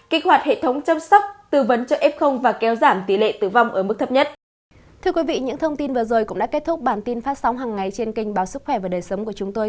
kích hoạt hệ thống chăm sóc tư vấn cho f và kéo giảm tỷ lệ tử vong ở mức thấp nhất